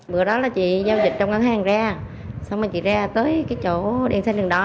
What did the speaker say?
bữa đó là chị giao dịch trong ngân hàng ra xong rồi chị ra tới cái chỗ điện xe đường đó